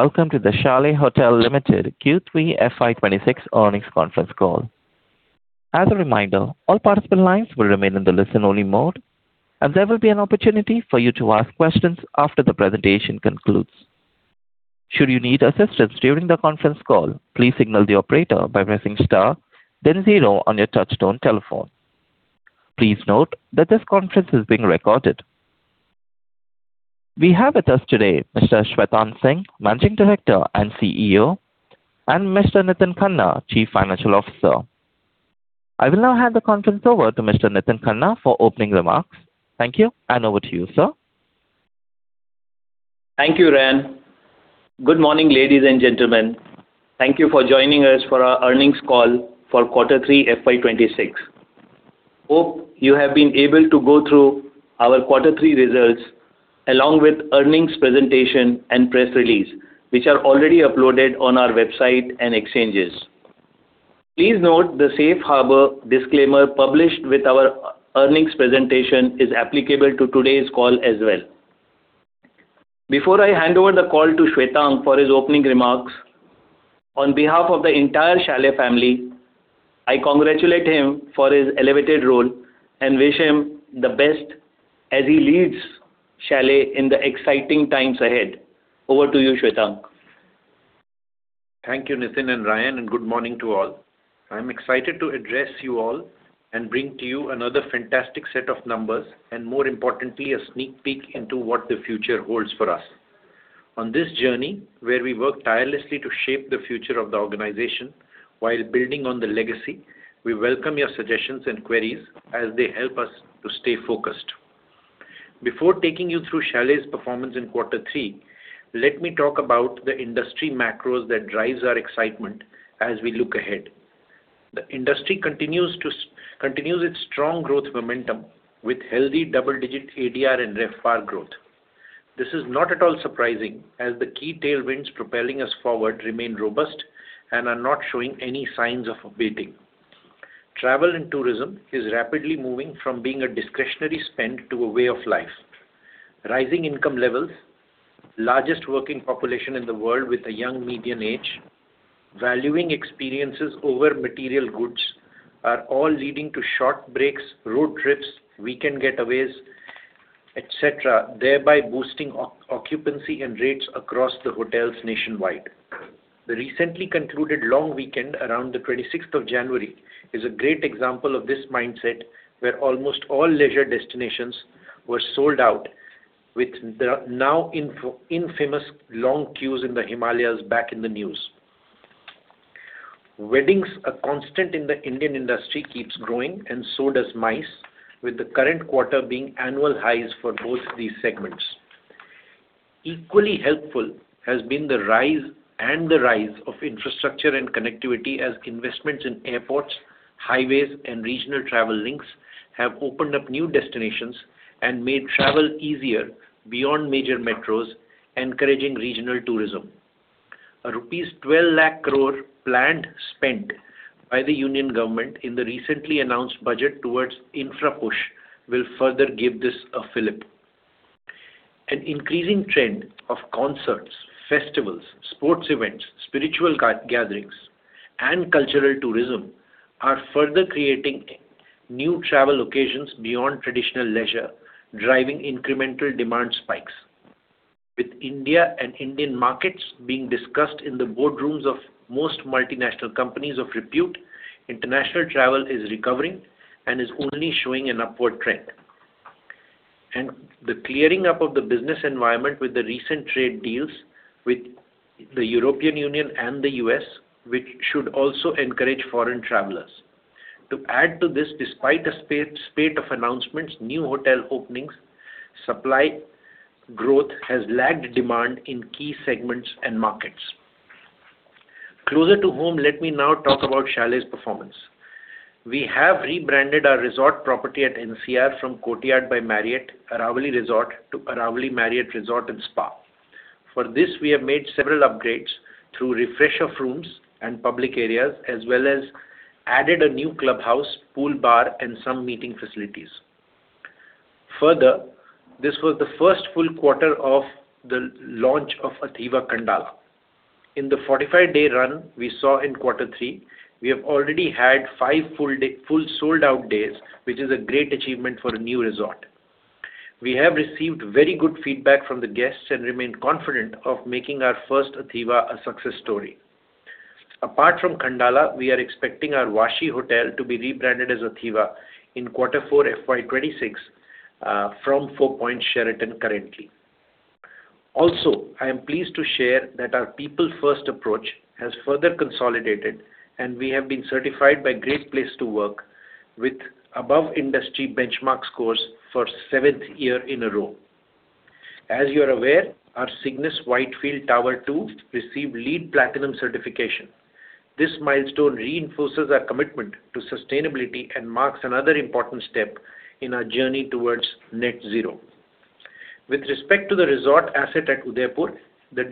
Welcome to the Chalet Hotels Limited Q3 FY 2026 earnings conference call. As a reminder, all participant lines will remain in the listen-only mode, and there will be an opportunity for you to ask questions after the presentation concludes. Should you need assistance during the conference call, please signal the operator by pressing star then zero on your touchtone telephone. Please note that this conference is being recorded. We have with us today Mr. Shwetank Singh, Managing Director and CEO, and Mr. Nitin Khanna, Chief Financial Officer. I will now hand the conference over to Mr. Nitin Khanna for opening remarks. Thank you, and over to you, sir. Thank you, Ryan. Good morning, ladies and gentlemen. Thank you for joining us for our earnings call for quarter three, FY 2026. Hope you have been able to go through our quarter three results, along with earnings presentation and press release, which are already uploaded on our website and exchanges. Please note the safe harbor disclaimer published with our earnings presentation is applicable to today's call as well. Before I hand over the call to Shwetank for his opening remarks, on behalf of the entire Chalet family, I congratulate him for his elevated role and wish him the best as he leads Chalet in the exciting times ahead. Over to you, Shwetank. Thank you, Nitin and Ryan, and good morning to all. I'm excited to address you all and bring to you another fantastic set of numbers, and more importantly, a sneak peek into what the future holds for us. On this journey, where we work tirelessly to shape the future of the organization while building on the legacy, we welcome your suggestions and queries as they help us to stay focused. Before taking you through Chalet's performance in quarter three, let me talk about the industry macros that drives our excitement as we look ahead. The industry continues its strong growth momentum with healthy double-digit ADR and RevPAR growth. This is not at all surprising, as the key tailwinds propelling us forward remain robust and are not showing any signs of abating. Travel and tourism is rapidly moving from being a discretionary spend to a way of life. Rising income levels, largest working population in the world with a young median age, valuing experiences over material goods, are all leading to short breaks, road trips, weekend getaways, et cetera, thereby boosting occupancy and rates across the hotels nationwide. The recently concluded long weekend around the 26th of January is a great example of this mindset, where almost all leisure destinations were sold out, with the now infamous long queues in the Himalayas back in the news. Weddings, a constant in the Indian industry, keeps growing, and so does MICE, with the current quarter being annual highs for both these segments. Equally helpful has been the rise and the rise of infrastructure and connectivity as investments in airports, highways, and regional travel links have opened up new destinations and made travel easier beyond major metros, encouraging regional tourism. Rupees 12 lakh crore planned spend by the union government in the recently announced budget towards infra push will further give this a fillip. An increasing trend of concerts, festivals, sports events, spiritual gatherings, and cultural tourism are further creating new travel occasions beyond traditional leisure, driving incremental demand spikes. With India and Indian markets being discussed in the boardrooms of most multinational companies of repute, international travel is recovering and is only showing an upward trend. The clearing up of the business environment with the recent trade deals with the European Union and the U.S., which should also encourage foreign travelers. To add to this, despite a spate of announcements, new hotel openings, supply growth has lagged demand in key segments and markets. Closer to home, let me now talk about Chalet's performance. We have rebranded our resort property at NCR from Courtyard by Marriott Aravali Resort to Aravali Marriott Resort & Spa. For this, we have made several upgrades through refresh of rooms and public areas, as well as added a new clubhouse, pool bar, and some meeting facilities. Further, this was the first full quarter of the launch of Athiva, Khandala. In the 45-day run we saw in quarter three, we have already had five full day, full sold-out days, which is a great achievement for a new resort. We have received very good feedback from the guests and remain confident of making our first Athiva a success story. Apart from Khandala, we are expecting our Vashi hotel to be rebranded as Athiva in quarter four, FY 2026, from Four Points by Sheraton currently. Also, I am pleased to share that our people first approach has further consolidated, and we have been certified by Great Place to Work with above industry benchmark scores for seventh year in a row. As you are aware, our Signia Whitefield Tower 2 received LEED Platinum certification. This milestone reinforces our commitment to sustainability and marks another important step in our journey towards net zero. With respect to the resort asset at Udaipur, the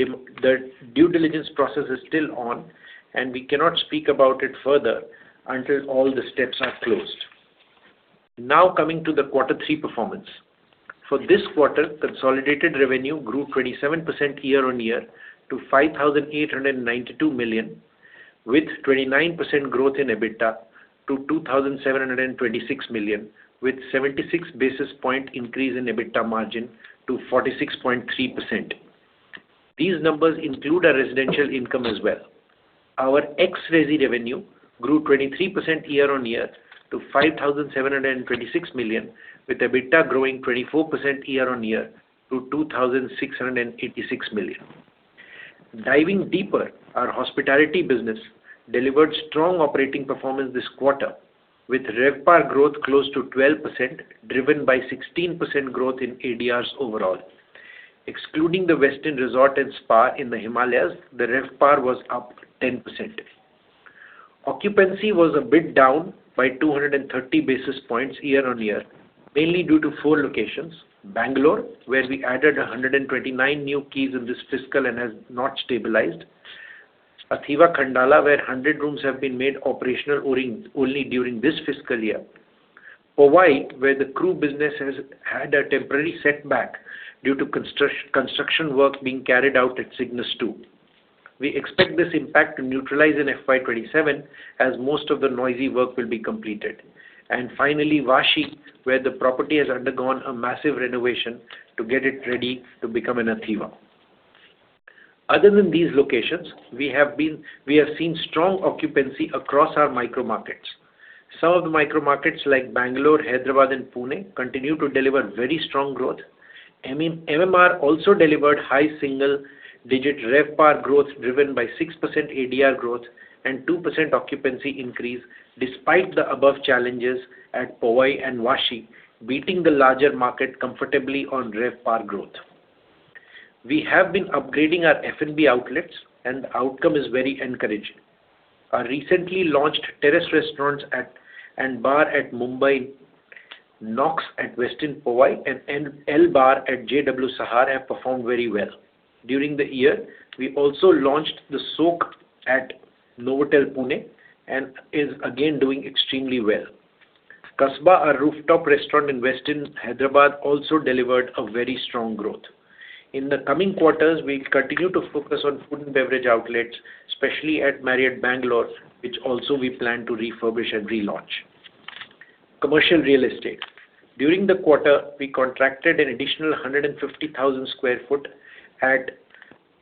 due diligence process is still on, and we cannot speak about it further until all the steps are closed. Now coming to the quarter three performance. For this quarter, consolidated revenue grew 27% year-on-year to 5,892 million, with 29% growth in EBITDA to 2,726 million, with 76 basis points increase in EBITDA margin to 46.3%. These numbers include our residential income as well. Our ex-resi revenue grew 23% year-on-year to 5,726 million, with EBITDA growing 24% year-on-year to 2,686 million. Diving deeper, our hospitality business delivered strong operating performance this quarter, with RevPAR growth close to 12%, driven by 16% growth in ADRs overall. Excluding the Westin Resort & Spa in the Himalayas, the RevPAR was up 10%. Occupancy was a bit down by 230 basis points year-on-year, mainly due to four locations: Bangalore, where we added 129 new keys in this fiscal and has not stabilized; Athiva Khandala, where 100 rooms have been made operational only during this fiscal year; Powai, where the crew business has had a temporary setback due to construction work being carried out at Cignus II. We expect this impact to neutralize in FY 2027, as most of the noisy work will be completed. Finally, Vashi, where the property has undergone a massive renovation to get it ready to become an Athiva. Other than these locations, we have seen strong occupancy across our micro markets. Some of the micro markets, like Bangalore, Hyderabad, and Pune, continue to deliver very strong growth. MMR also delivered high single-digit RevPAR growth, driven by 6% ADR growth and 2% occupancy increase, despite the above challenges at Powai and Vashi, beating the larger market comfortably on RevPAR growth. We have been upgrading our F&B outlets, and the outcome is very encouraging. Our recently launched Terrace restaurant and bar at Mumbai, NOX at Westin Powai, and L Bar at JW Sahar have performed very well. During the year, we also launched The Soak at Novotel Pune, and is again, doing extremely well. Casbah, our rooftop restaurant in Westin Hyderabad, also delivered a very strong growth. In the coming quarters, we'll continue to focus on food and beverage outlets, especially at Marriott Bangalore, which also we plan to refurbish and relaunch. Commercial real estate. During the quarter, we contracted an additional 150,000 sq ft at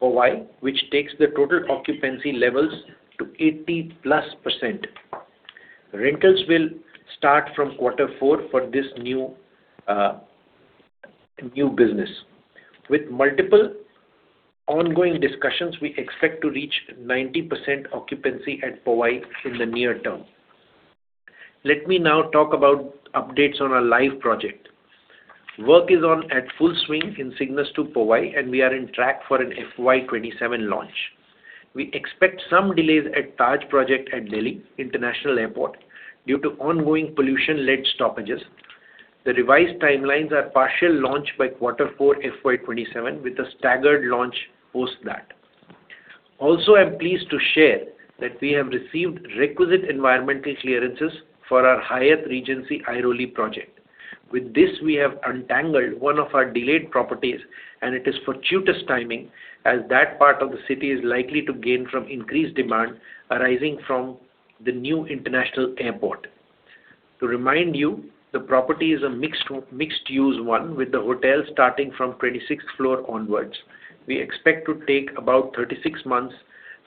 Powai, which takes the total occupancy levels to 80+%. Rentals will start from quarter four for this new, new business. With multiple ongoing discussions, we expect to reach 90% occupancy at Powai in the near term. Let me now talk about updates on our live project. Work is on at full swing in Cignus II, Powai, and we are on track for an FY 2027 launch. We expect some delays at Taj project at Delhi International Airport due to ongoing pollution-led stoppages. The revised timelines are partial launch by quarter four, FY 2027, with a staggered launch post that. Also, I'm pleased to share that we have received requisite environmental clearances for our Hyatt Regency Airoli project. With this, we have untangled one of our delayed properties, and it is fortuitous timing, as that part of the city is likely to gain from increased demand arising from the new international airport. To remind you, the property is a mixed-use one, with the hotel starting from 26th floor onwards. We expect to take about 36 months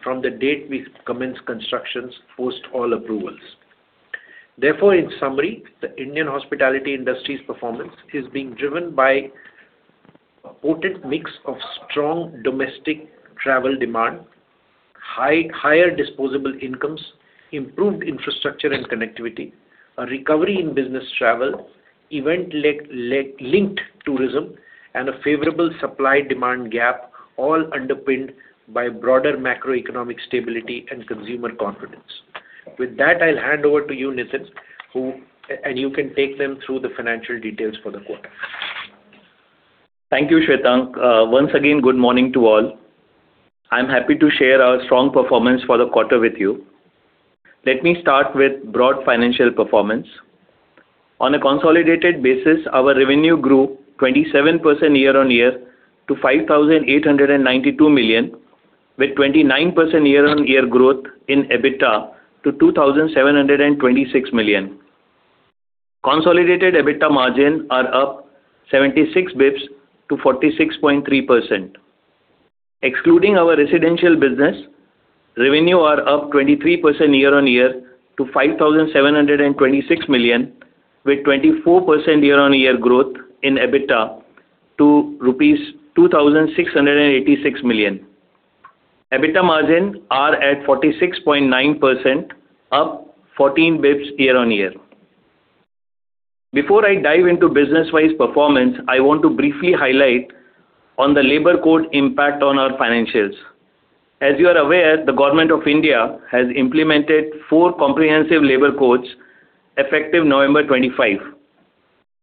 from the date we commence constructions, post all approvals. Therefore, in summary, the Indian hospitality industry's performance is being driven by a potent mix of strong domestic travel demand, higher disposable incomes, improved infrastructure and connectivity, a recovery in business travel, event-led linked tourism, and a favorable supply-demand gap, all underpinned by broader macroeconomic stability and consumer confidence. With that, I'll hand over to you, Nitin, and you can take them through the financial details for the quarter. Thank you, Shwetank. Once again, good morning to all. I'm happy to share our strong performance for the quarter with you. Let me start with broad financial performance. On a consolidated basis, our revenue grew 27% year-on-year to 5,892 million, with 29% year-on-year growth in EBITDA to 2,726 million. Consolidated EBITDA margin are up 76 basis points to 46.3%. Excluding our residential business, revenue are up 23% year-on-year to 5,726 million, with 24% year-on-year growth in EBITDA to rupees 2,686 million. EBITDA margin are at 46.9%, up 14 basis points year-on-year. Before I dive into business-wise performance, I want to briefly highlight on the labor code impact on our financials. As you are aware, the government of India has implemented four comprehensive labor codes, effective November 25,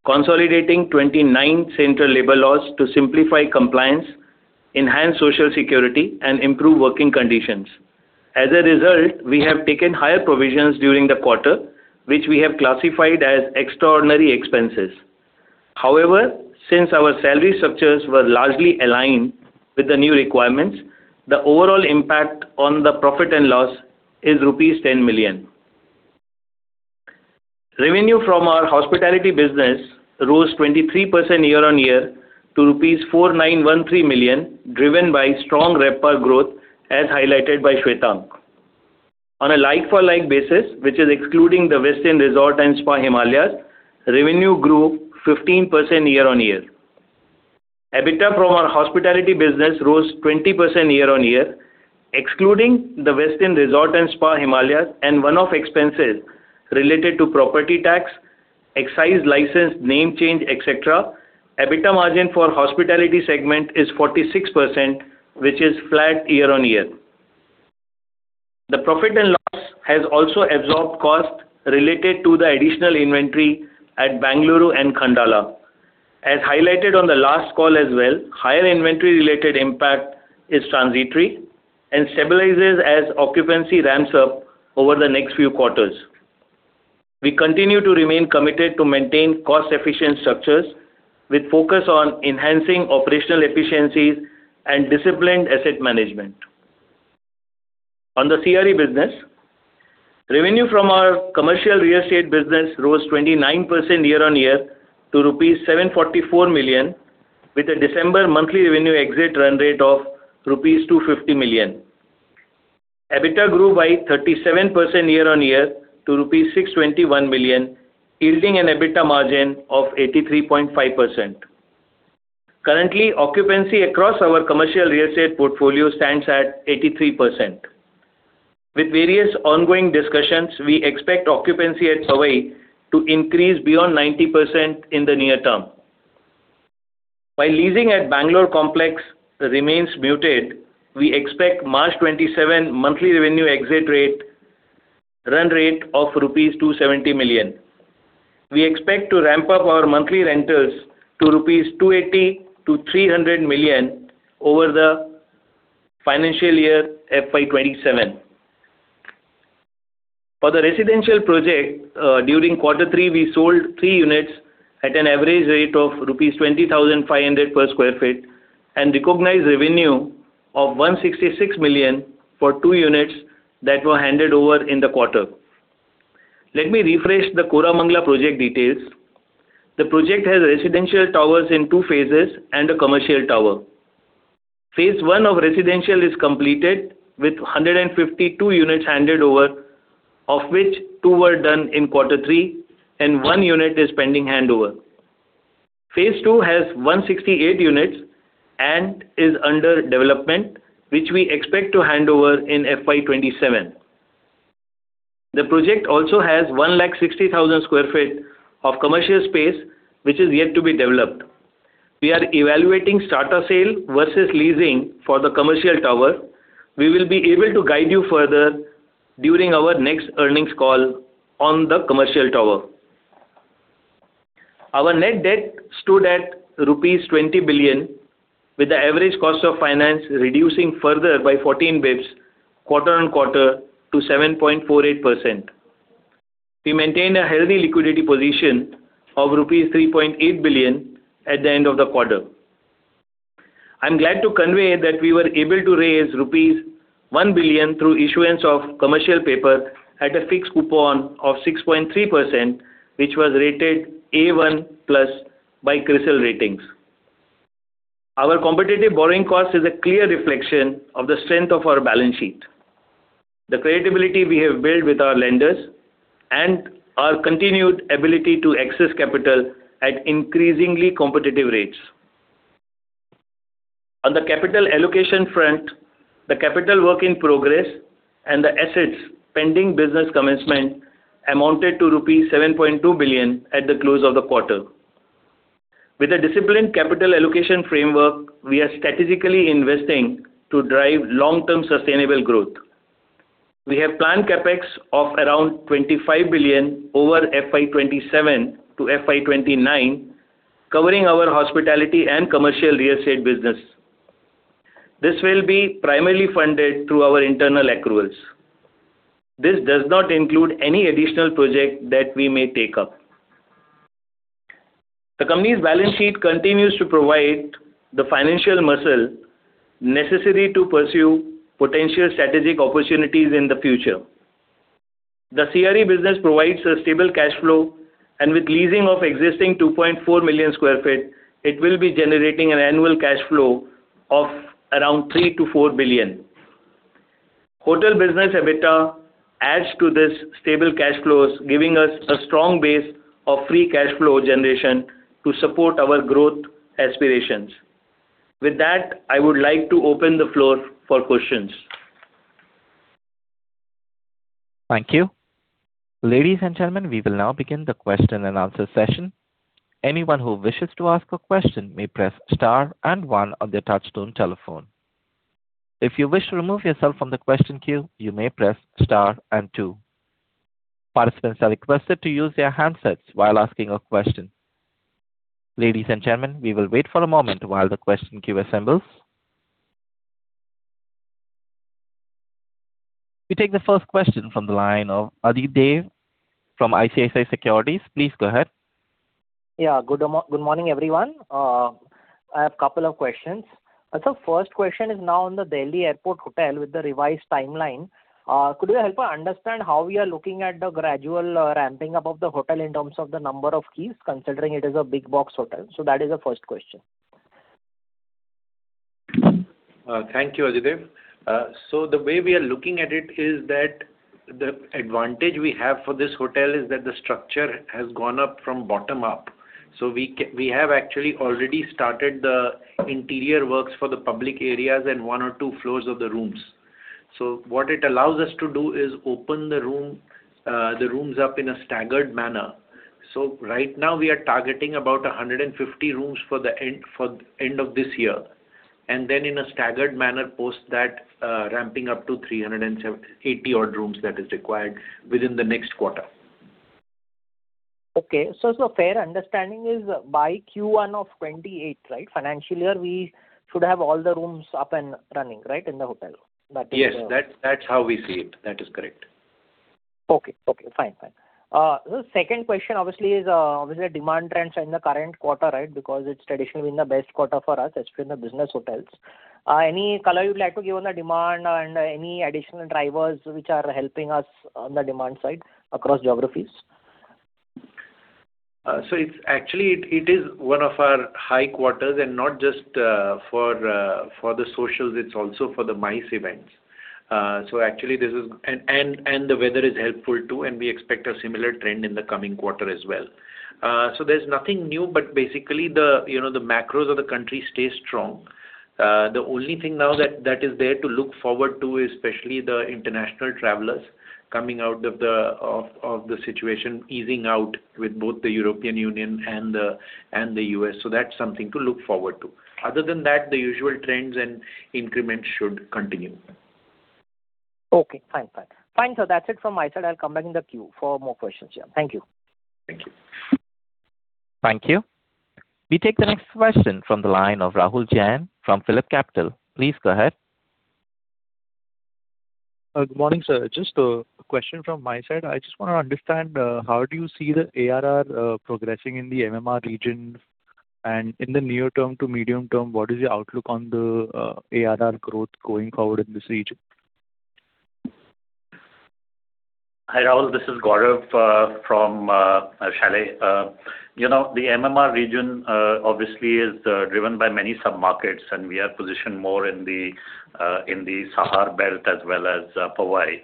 consolidating 29 central labor laws to simplify compliance, enhance social security, and improve working conditions. As a result, we have taken higher provisions during the quarter, which we have classified as extraordinary expenses. However, since our salary structures were largely aligned with the new requirements, the overall impact on the profit and loss is rupees 10 million. Revenue from our hospitality business rose 23% year-on-year to rupees 4,913 million, driven by strong RevPAR growth, as highlighted by Shwetank. On a like-for-like basis, which is excluding the Westin Resort & Spa Himalayas, revenue grew 15% year-on-year. EBITDA from our hospitality business rose 20% year-on-year, excluding the Westin Resort & Spa Himalayas, and one-off expenses related to property tax, excise license, name change, et cetera. EBITDA margin for hospitality segment is 46%, which is flat year-on-year. The profit and loss has also absorbed costs related to the additional inventory at Bengaluru and Khandala. As highlighted on the last call as well, higher inventory-related impact is transitory and stabilizes as occupancy ramps up over the next few quarters. We continue to remain committed to maintain cost-efficient structures, with focus on enhancing operational efficiencies and disciplined asset management. On the CRE business, revenue from our commercial real estate business rose 29% year-on-year to rupees 744 million, with a December monthly revenue exit run rate of rupees 250 million. EBITDA grew by 37% year-on-year to rupees 621 million, yielding an EBITDA margin of 83.5%. Currently, occupancy across our commercial real estate portfolio stands at 83%. With various ongoing discussions, we expect occupancy at Sahar to increase beyond 90% in the near term. While leasing at Bangalore Complex remains muted, we expect March 2027 monthly revenue exit rate, run rate of 270 million rupees. We expect to ramp up our monthly rentals to 280 million-300 million rupees over the financial year FY 2027. For the residential project, during quarter three, we sold 3 units at an average rate of rupees 20,500 per sq ft and recognized revenue of 166 million for 2 units that were handed over in the quarter. Let me refresh the Koramangala project details. The project has residential towers in two phases and a commercial tower. Phase one of residential is completed with 152 units handed over, of which two were done in quarter three, and 1 unit is pending handover. Phase two has 168 units and is under development, which we expect to hand over in FY 2027. The project also has 160,000 sq ft of commercial space, which is yet to be developed. We are evaluating starter sale versus leasing for the commercial tower. We will be able to guide you further during our next earnings call on the commercial tower. Our net debt stood at rupees 20 billion, with the average cost of finance reducing further by 14 bps quarter-on-quarter to 7.48%. We maintained a healthy liquidity position of rupees 3.8 billion at the end of the quarter. I'm glad to convey that we were able to raise rupees 1 billion through issuance of commercial paper at a fixed coupon of 6.3%, which was rated A1+ by CRISIL Ratings. Our competitive borrowing cost is a clear reflection of the strength of our balance sheet, the credibility we have built with our lenders, and our continued ability to access capital at increasingly competitive rates. On the capital allocation front, the capital work in progress and the assets pending business commencement amounted to rupees 7.2 billion at the close of the quarter. With a disciplined capital allocation framework, we are strategically investing to drive long-term sustainable growth. We have planned CapEx of around 25 billion over FY 2027 to FY 2029, covering our hospitality and commercial real estate business. This will be primarily funded through our internal accruals. This does not include any additional project that we may take up. The company's balance sheet continues to provide the financial muscle necessary to pursue potential strategic opportunities in the future. The CRE business provides a stable cash flow, and with leasing of existing 2.4 million sq ft, it will be generating an annual cash flow of around 3 billion-4 billion. Hotel business EBITDA adds to this stable cash flows, giving us a strong base of free cash flow generation to support our growth aspirations. With that, I would like to open the floor for questions. Thank you. Ladies and gentlemen, we will now begin the question-and-answer session. Anyone who wishes to ask a question may press star and one on their touchtone telephone. If you wish to remove yourself from the question queue, you may press star and two. Participants are requested to use their handsets while asking a question. Ladies and gentlemen, we will wait for a moment while the question queue assembles. We take the first question from the line of Adhidev from ICICI Securities. Please go ahead. Yeah. Good morning, everyone. I have a couple of questions. So first question is now on the Delhi Airport Hotel with the revised timeline. Could you help us understand how we are looking at the gradual ramping up of the hotel in terms of the number of keys, considering it is a big box hotel? So that is the first question. Thank you, Adidev. So the way we are looking at it is that the advantage we have for this hotel is that the structure has gone up from bottom up. So we have actually already started the interior works for the public areas and one or two floors of the rooms. So what it allows us to do is open the rooms up in a staggered manner. So right now we are targeting about 150 rooms for the end of this year, and then in a staggered manner, post that, ramping up to 380 odd rooms that is required within the next quarter. Okay. So, a fair understanding is by Q1 of 2028, right? Financial year, we should have all the rooms up and running, right, in the hotel? That is the- Yes, that's, that's how we see it. That is correct. Okay. Okay, fine. Fine. The second question obviously is, obviously demand trends in the current quarter, right? Because it's traditionally been the best quarter for us, especially in the business hotels. Any color you'd like to give on the demand and any additional drivers which are helping us on the demand side across geographies? So it's actually one of our high quarters, and not just for the socials, it's also for the MICE events. So actually this is. The weather is helpful too, and we expect a similar trend in the coming quarter as well. So there's nothing new, but basically the, you know, the macros of the country stay strong. The only thing now that is there to look forward to, especially the international travelers coming out of the situation, easing out with both the European Union and the U.S. So that's something to look forward to. Other than that, the usual trends and increments should continue. Okay, fine. Fine. Fine, sir. That's it from my side. I'll come back in the queue for more questions. Yeah, thank you. Thank you. Thank you. We take the next question from the line of Rahul Jain from Phillip Capital. Please go ahead. Good morning, sir. Just a question from my side. I just want to understand, how do you see the ARR, progressing in the MMR region? And in the near term to medium term, what is your outlook on the, ARR growth going forward in this region? Hi, Rahul, this is Gaurav from Chalet. You know, the MMR region obviously is driven by many sub-markets, and we are positioned more in the Sahar belt as well as Powai.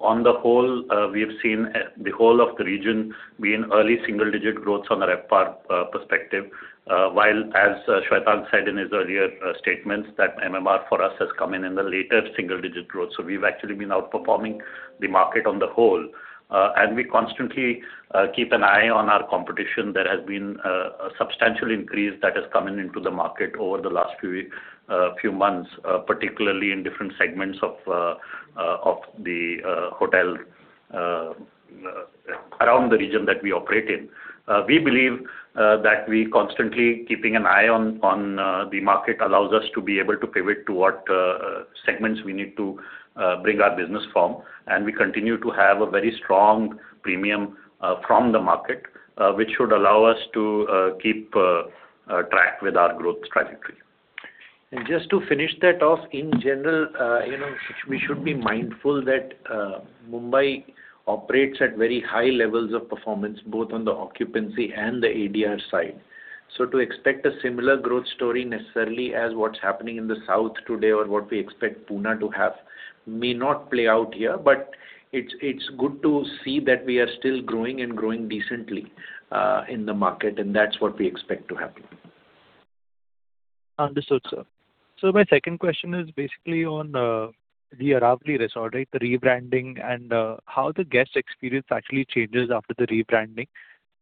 On the whole, we have seen the whole of the region be in early single digit growth on the RevPAR perspective. While as Shwetank said in his earlier statements, that MMR for us has come in the later single digit growth. So we've actually been outperforming the market on the whole. And we constantly keep an eye on our competition. There has been a substantial increase that has come in into the market over the last few week, few months, particularly in different segments of, of the, hotel, around the region that we operate in. We believe that we constantly keeping an eye on, on, the market allows us to be able to pivot to what, segments we need to, bring our business from. And we continue to have a very strong premium, from the market, which should allow us to, keep, track with our growth trajectory. And just to finish that off, in general, you know, we should be mindful that Mumbai operates at very high levels of performance, both on the occupancy and the ADR side. So to expect a similar growth story necessarily as what's happening in the south today or what we expect Pune to have, may not play out here, but it's, it's good to see that we are still growing and growing decently in the market, and that's what we expect to happen. Understood, sir. So my second question is basically on the Aravali Resort, right? The rebranding and how the guest experience actually changes after the rebranding.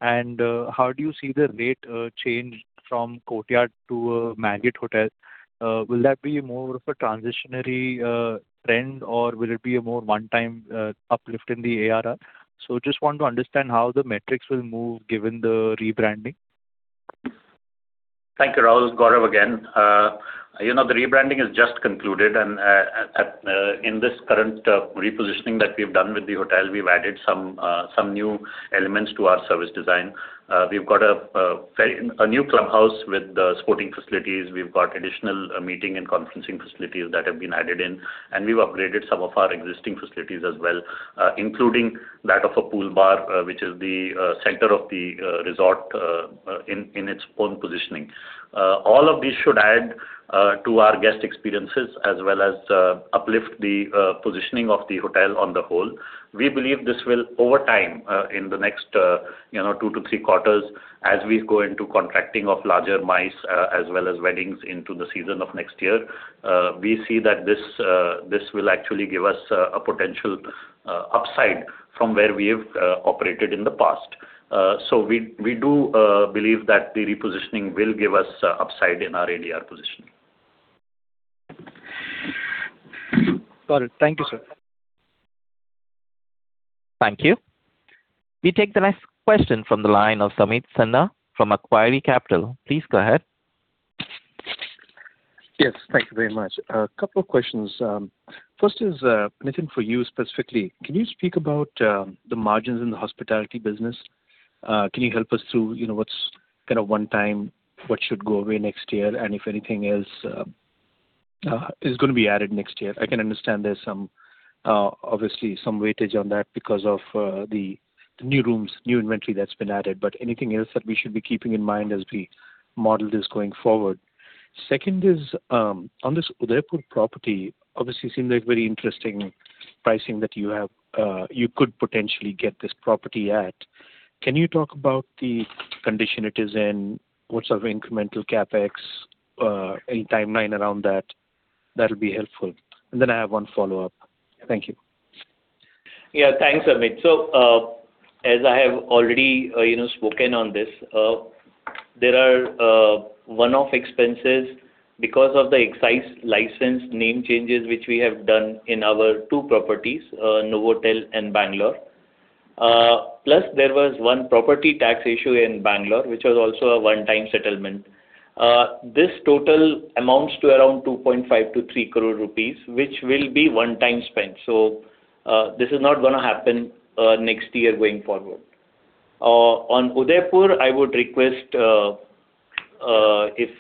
And how do you see the rate change from Courtyard to a Marriott hotel? Will that be more of a transitory trend, or will it be a more one-time uplift in the ADR? Just want to understand how the metrics will move given the rebranding. Thank you, Rahul. Gaurav again. You know, the rebranding has just concluded, and in this current repositioning that we've done with the hotel, we've added some new elements to our service design. We've got a new clubhouse with the sporting facilities. We've got additional meeting and conferencing facilities that have been added in, and we've upgraded some of our existing facilities as well, including that of a pool bar, which is the center of the resort in its own positioning. All of these should add to our guest experiences as well as uplift the positioning of the hotel on the whole. We believe this will over time, in the next, you know, two to three quarters, as we go into contracting of larger MICE, as well as weddings into the season of next year, we see that this will actually give us a potential upside from where we have operated in the past. So we do believe that the repositioning will give us upside in our ADR positioning. Got it. Thank you, sir. Thank you. We take the next question from the line of Sumit Sarda from Aquarii Capital. Please go ahead. Yes, thank you very much. A couple of questions. First is, Nitin, for you specifically. Can you speak about, the margins in the hospitality business? Can you help us through, you know, what's kind of one time, what should go away next year, and if anything is, is gonna be added next year? I can understand there's some, obviously some weightage on that because of, the new rooms, new inventory that's been added, but anything else that we should be keeping in mind as we model this going forward? Second is, on this Udaipur property, obviously seems like very interesting pricing that you have you could potentially get this property at. Can you talk about the condition it is in? What sort of incremental CapEx? Any timeline around that, that'll be helpful. I have one follow-up. Thank you. Yeah, thanks, Samit. So, as I have already, you know, spoken on this, there are one-off expenses because of the excise license name changes, which we have done in our two properties, Novotel and Bangalore. Plus, there was one property tax issue in Bangalore, which was also a one-time settlement. This total amounts to around 2.5 crore-3 crore rupees, which will be one-time spend. So, this is not gonna happen, next year going forward. On Udaipur, I would request, if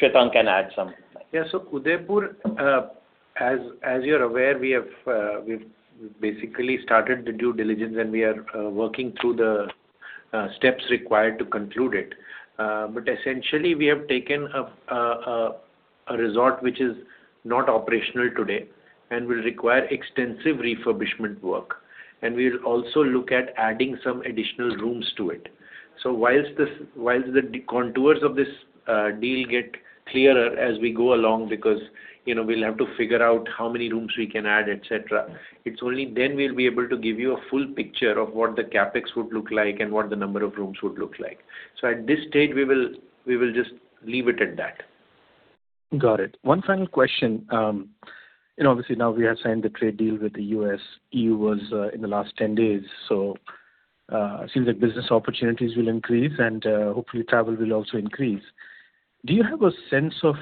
Shwetank can add something. Yeah, so Udaipur, as you're aware, we have, we've basically started the due diligence, and we are working through the steps required to conclude it. But essentially we have taken a resort which is not operational today and will require extensive refurbishment work. And we'll also look at adding some additional rooms to it. So, whilst the contours of this deal get clearer as we go along, because, you know, we'll have to figure out how many rooms we can add, et cetera, it's only then we'll be able to give you a full picture of what the CapEx would look like and what the number of rooms would look like. So at this stage, we will just leave it at that. Got it. One final question. Obviously now we have signed the trade deal with the U.S., E.U. was in the last 10 days. So, it seems like business opportunities will increase and, hopefully travel will also increase. Do you have a sense of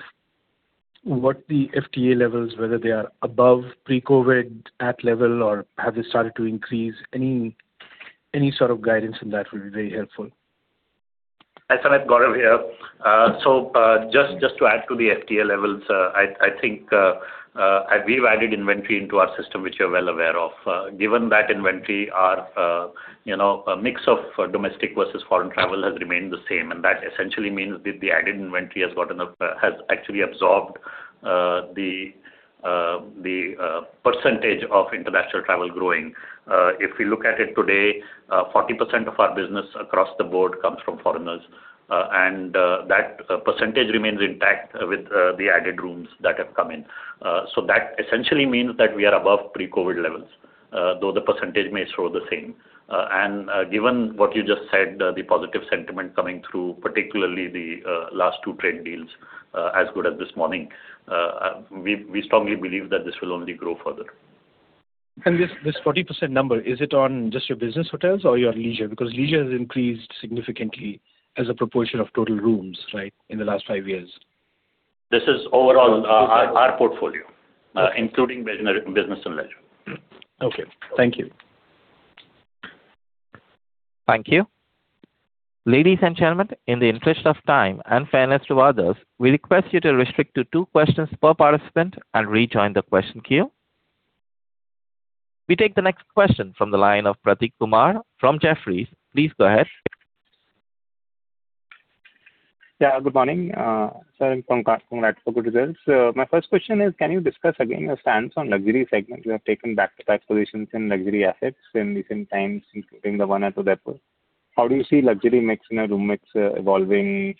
what the FTA levels, whether they are above pre-COVID, at level, or have they started to increase? Any sort of guidance on that will be very helpful. Hi, Samit. Gaurav here. So, just to add to the FTA levels, I think we've added inventory into our system, which you're well aware of. Given that inventory are, you know, a mix of domestic versus foreign travel has remained the same, and that essentially means that the added inventory has actually absorbed the percentage of international travel growing. If we look at it today, 40% of our business across the board comes from foreigners, and that percentage remains intact with the added rooms that have come in. So that essentially means that we are above pre-COVID levels, though the percentage may show the same. Given what you just said, the positive sentiment coming through, particularly the last two trade deals, as good as this morning, we strongly believe that this will only grow further. This 40% number, is it on just your business hotels or your leisure? Because leisure has increased significantly as a proportion of total rooms, right, in the last five years. This is overall our portfolio, including business and leisure. Okay. Thank you. Thank you. Ladies and gentlemen, in the interest of time and fairness to others, we request you to restrict to two questions per participant and rejoin the question queue. We take the next question from the line of Prateek Kumar from Jefferies. Please go ahead. Yeah, good morning, sir, and congratulations for good results. My first question is, can you discuss again your stance on luxury segment? You have taken back-to-back positions in luxury assets in recent times, including the one at Udaipur. How do you see luxury mix and our room mix, evolving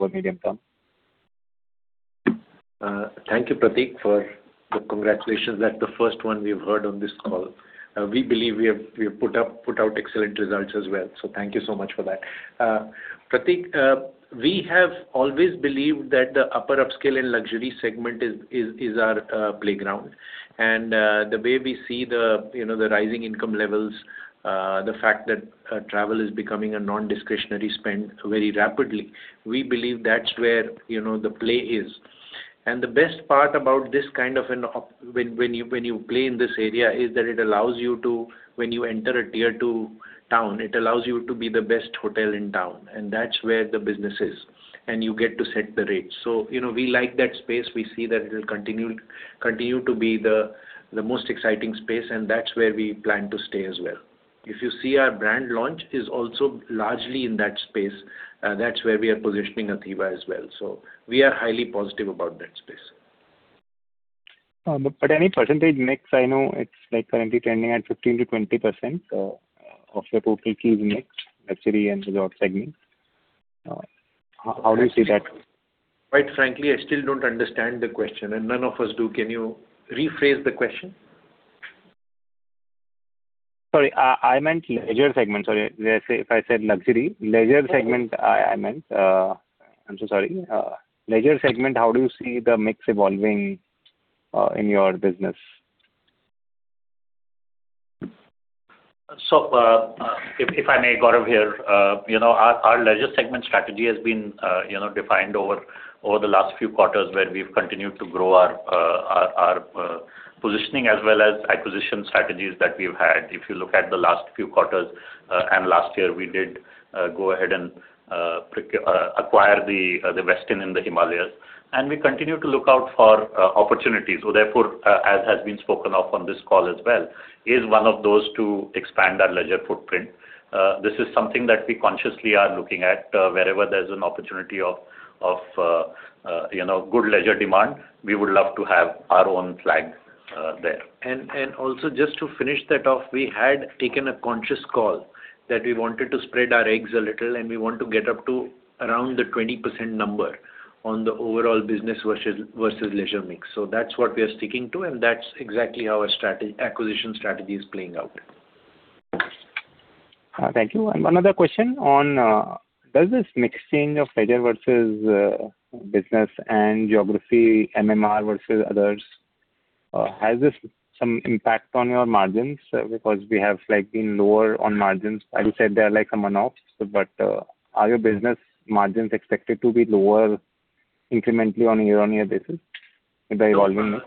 over medium term? Thank you, Prateek, for the congratulations. That's the first one we've heard on this call. We believe we have put up, put out excellent results as well, so thank you so much for that. Prateek, we have always believed that the upper upscale and luxury segment is our playground. And the way we see the, you know, the rising income levels, the fact that travel is becoming a non-discretionary spend very rapidly, we believe that's where, you know, the play is. And the best part about this kind of an when you play in this area, is that it allows you to. When you enter a tier two town, it allows you to be the best hotel in town, and that's where the business is, and you get to set the rates. So, you know, we like that space. We see that it will continue to be the most exciting space, and that's where we plan to stay as well. If you see our brand launch is also largely in that space, that's where we are positioning Athiva as well. So we are highly positive about that space. But any percentage mix, I know it's like currently trending at 15%-20% of your total key mix, luxury and resort segment. How do you see that? Quite frankly, I still don't understand the question, and none of us do. Can you rephrase the question? Sorry, I meant leisure segment. Sorry, if I said luxury, leisure segment, I meant, I'm so sorry. Leisure segment, how do you see the mix evolving in your business? So, if I may, Gaurav here, you know, our leisure segment strategy has been, you know, defined over the last few quarters, where we've continued to grow our positioning as well as acquisition strategies that we've had. If you look at the last few quarters and last year, we did go ahead and pre-acquire the Westin in the Himalayas. And we continue to look out for opportunities. So therefore, as has been spoken of on this call as well, is one of those to expand our leisure footprint. This is something that we consciously are looking at. Wherever there's an opportunity of you know, good leisure demand, we would love to have our own flag there. And, and also just to finish that off, we had taken a conscious call that we wanted to spread our eggs a little, and we want to get up to around the 20% number on the overall business versus, versus leisure mix. So that's what we are sticking to, and that's exactly how our strategy, acquisition strategy is playing out. Thank you. One other question on, does this mixing of leisure versus business and geography, MMR versus others, has this some impact on your margins? Because we have like been lower on margins. I would say they are like a one-off, but, are your business margins expected to be lower incrementally on a year-on-year basis with the evolving mix?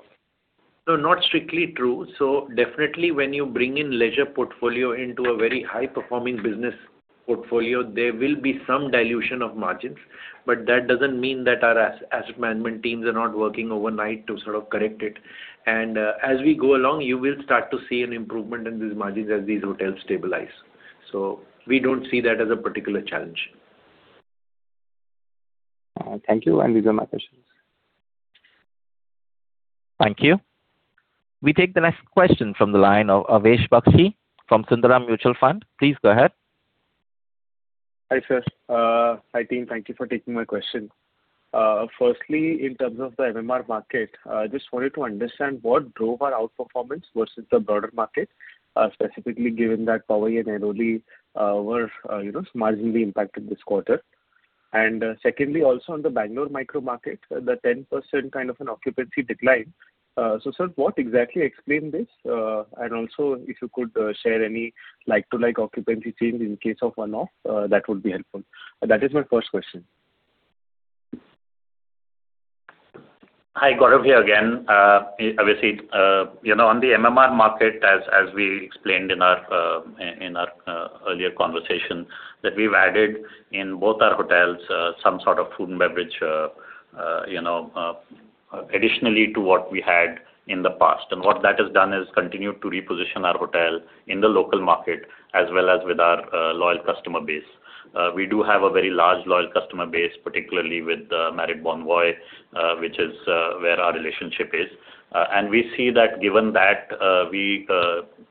No, not strictly true. So definitely when you bring in leisure portfolio into a very high-performing business portfolio, there will be some dilution of margins, but that doesn't mean that our asset management teams are not working overnight to sort of correct it. And, as we go along, you will start to see an improvement in these margins as these hotels stabilize. So we don't see that as a particular challenge. Thank you, and these are my questions. Thank you. We take the next question from the line of Avesh Bakshi from Sundaram Mutual Fund. Please go ahead. Hi, sir. Hi, team. Thank you for taking my question. Firstly, in terms of the MMR market, just wanted to understand what drove our outperformance versus the broader market, specifically given that Powai and Andheri were, you know, marginally impacted this quarter. And, secondly, also on the Bangalore micro market, the 10% kind of an occupancy decline. So, sir, what exactly explain this? And also, if you could share any like-for-like occupancy change in case of one-off, that would be helpful. That is my first question. Hi, Gaurav here again. Obviously, you know, on the MMR market, as we explained in our earlier conversation, that we've added in both our hotels some sort of food and beverage, you know, additionally to what we had in the past. And what that has done is continued to reposition our hotel in the local market, as well as with our loyal customer base. We do have a very large loyal customer base, particularly with the Marriott Bonvoy, which is where our relationship is. And we see that given that we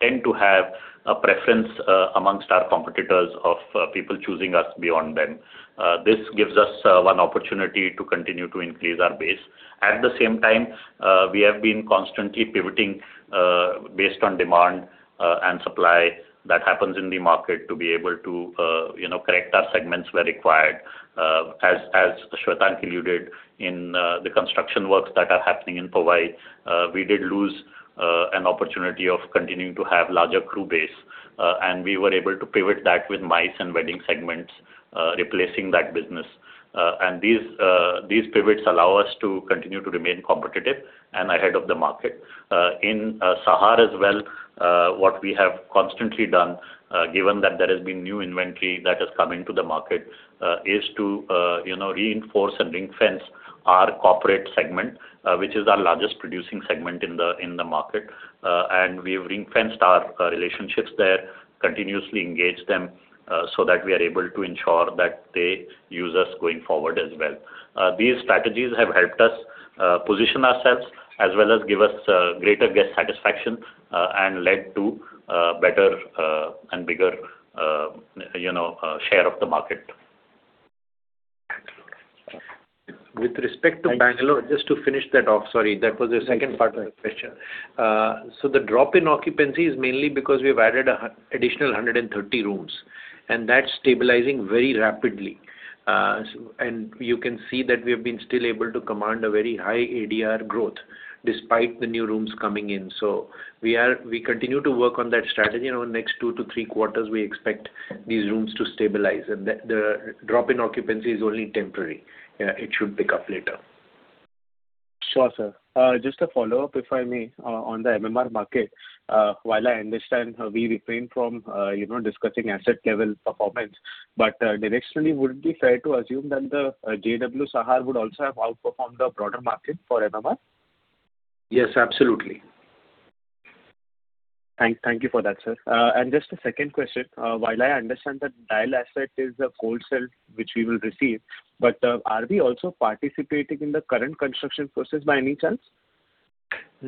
tend to have a preference amongst our competitors of people choosing us beyond them. This gives us one opportunity to continue to increase our base. At the same time, we have been constantly pivoting, based on demand, and supply that happens in the market to be able to, you know, correct our segments where required. As Shwetank alluded in, the construction works that are happening in Powai, we did lose, an opportunity of continuing to have larger crew base, and we were able to pivot that with MICE and wedding segments, replacing that business. And these, these pivots allow us to continue to remain competitive and ahead of the market. In, Sahar as well, what we have constantly done, given that there has been new inventory that has come into the market, is to, you know, reinforce and ring-fence our corporate segment, which is our largest producing segment in the, in the market. And we've ring-fenced our relationships there, continuously engaged them, so that we are able to ensure that they use us going forward as well. These strategies have helped us position ourselves, as well as give us greater guest satisfaction, and led to better and bigger, you know, share of the market. With respect to Bangalore, just to finish that off, sorry, that was the second part of the question. So the drop in occupancy is mainly because we've added an additional 130 rooms, and that's stabilizing very rapidly. So and you can see that we have been still able to command a very high ADR growth despite the new rooms coming in. So we continue to work on that strategy. In our next two to three quarters, we expect these rooms to stabilize, and the drop in occupancy is only temporary. It should pick up later. Sure, sir. Just a follow-up, if I may, on the MMR market. While I understand how we refrain from, you know, discussing asset level performance, but, directionally, would it be fair to assume that the, JW Sahar would also have outperformed the broader market for MMR? Yes, absolutely. Thank you for that, sir. Just a second question. While I understand that DIAL asset is a cold shell, which we will receive, but are we also participating in the current construction process by any chance?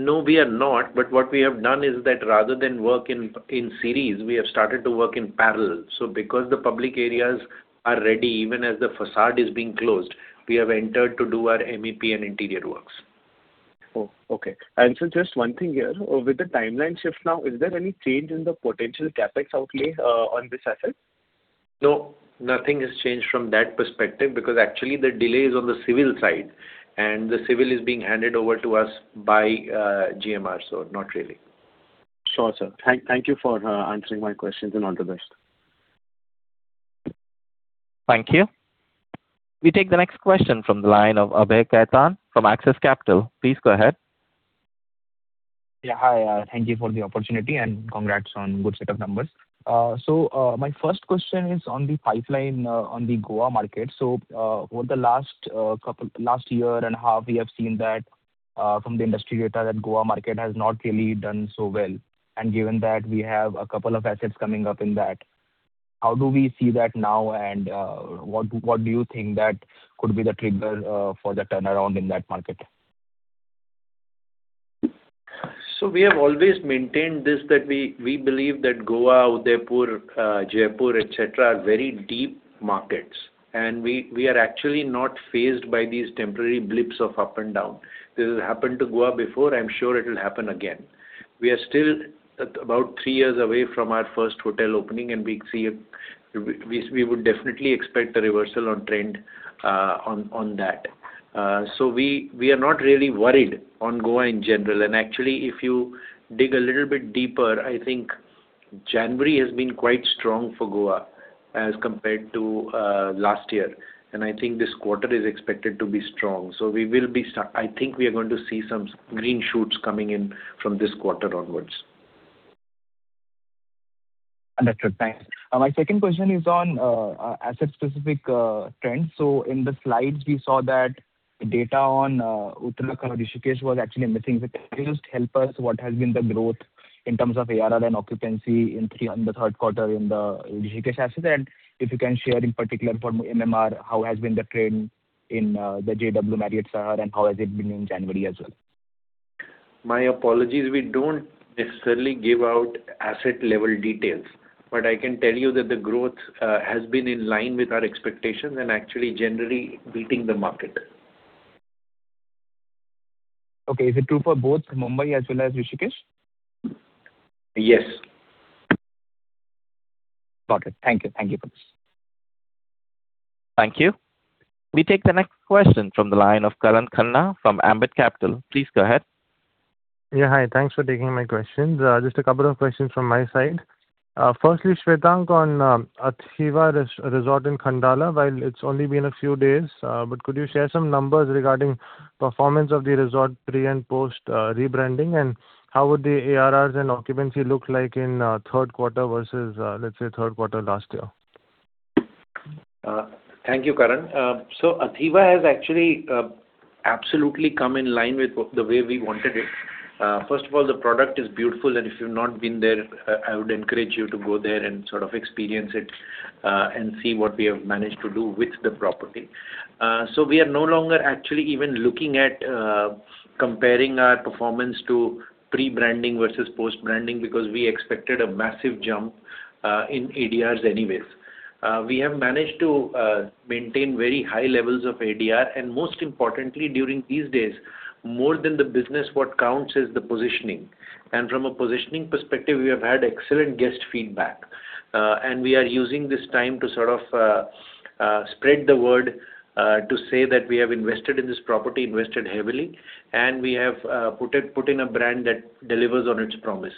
No, we are not. But what we have done is that rather than work in series, we have started to work in parallel. So because the public areas are ready, even as the facade is being closed, we have entered to do our MEP and interior works. Oh, okay. And so just one thing here, with the timeline shift now, is there any change in the potential CapEx outlay, on this asset? No, nothing has changed from that perspective, because actually the delay is on the civil side, and the civil is being handed over to us by GMR, so not really. Sure, sir. Thank you for answering my questions, and all the best. Thank you. We take the next question from the line of Abhay Khaitan from Axis Capital. Please go ahead. Yeah, hi, thank you for the opportunity, and congrats on good set of numbers. So, my first question is on the pipeline, on the Goa market. So, over the last couple—last year and a half, we have seen that, from the industry data, that Goa market has not really done so well. And given that we have a couple of assets coming up in that, how do we see that now, and what do you think that could be the trigger for the turnaround in that market? So we have always maintained this, that we, we believe that Goa, Udaipur, Jaipur, et cetera, are very deep markets, and we, we are actually not fazed by these temporary blips of up and down. This has happened to Goa before, I'm sure it will happen again. We are still at about three years away from our first hotel opening, and we see a we, we would definitely expect a reversal on trend, on, on that. So we, we are not really worried on Goa in general. And actually, if you dig a little bit deeper, I think January has been quite strong for Goa as compared to, last year. And I think this quarter is expected to be strong. So we will be sta I think we are going to see some green shoots coming in from this quarter onwards. Understood. Thanks. My second question is on asset-specific trends. So in the slides, we saw that data on Uttarakhand, Rishikesh was actually missing. But can you just help us what has been the growth in terms of ARR and occupancy in the third quarter in the Rishikesh asset? And if you can share in particular for MMR, how has been the trend in the JW Marriott Sahar, and how has it been in January as well? My apologies. We don't necessarily give out asset-level details. But I can tell you that the growth has been in line with our expectations and actually generally beating the market. Okay. Is it true for both Mumbai as well as Rishikesh? Yes. Got it. Thank you. Thank you for this. Thank you. We take the next question from the line of Karan Khanna from Ambit Capital. Please go ahead. Yeah, hi. Thanks for taking my questions. Just a couple of questions from my side. Firstly, Shwetank, on Athiva Resort in Khandala, while it's only been a few days, but could you share some numbers regarding performance of the resort pre- and post-rebranding? And how would the ARRs and occupancy look like in third quarter versus, let's say, third quarter last year? Thank you, Karan. So Athiva has actually absolutely come in line with the way we wanted it. First of all, the product is beautiful, and if you've not been there, I would encourage you to go there and sort of experience it, and see what we have managed to do with the property. So we are no longer actually even looking at comparing our performance to pre-branding versus post-branding, because we expected a massive jump in ADRs anyways. We have managed to maintain very high levels of ADR, and most importantly, during these days, more than the business, what counts is the positioning. From a positioning perspective, we have had excellent guest feedback. We are using this time to sort of spread the word to say that we have invested in this property, invested heavily, and we have put in a brand that delivers on its promise.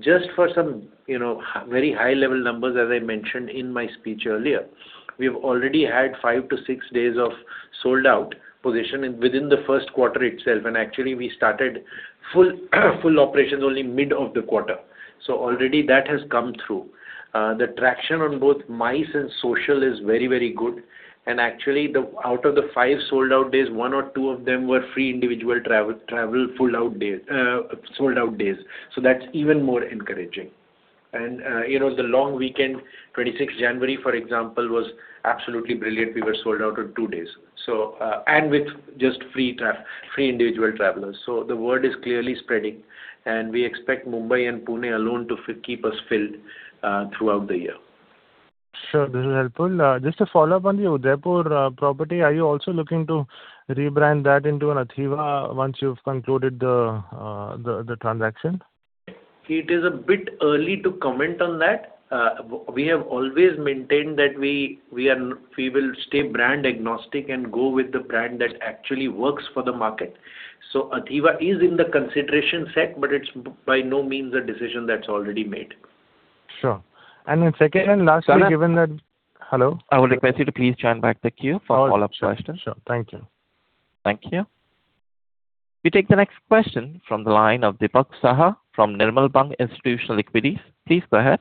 Just for some, you know, very high-level numbers, as I mentioned in my speech earlier, we have already had 5-6 days of sold-out position, and within the first quarter itself, and actually we started full operations only mid of the quarter. So already that has come through. The traction on both MICE and social is very, very good. And actually, out of the 5 sold-out days, one or two of them were free individual travel sold-out days. So that's even more encouraging. And, you know, the long weekend, 26th January, for example, was absolutely brilliant. We were sold out in two days. So, and with just free individual travelers. So the word is clearly spreading, and we expect Mumbai and Pune alone to keep us filled throughout the year. Sure, this is helpful. Just to follow up on the Udaipur property, are you also looking to rebrand that into an Athiva once you've concluded the transaction? It is a bit early to comment on that. We have always maintained that we, we are we will stay brand agnostic and go with the brand that actually works for the market. So Athiva is in the consideration set, but it's by no means a decision that's already made. Sure. And then second and lastly, given that- Karan? Hello? I would request you to please join back the queue for follow-up questions. Sure. Thank you. Thank you. We take the next question from the line of Dipak Saha from Nirmal Bang Institutional Equity. Please go ahead.